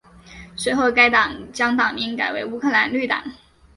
随后该党将党名改为乌克兰绿党。